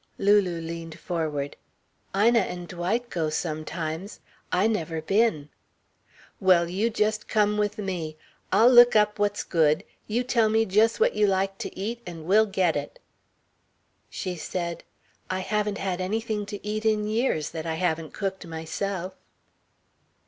Lulu leaned forward. "Ina and Dwight go sometimes. I never been." "Well, just you come with me. I'll look up what's good. You tell me just what you like to eat, and we'll get it " She said: "I haven't had anything to eat in years that I haven't cooked myself."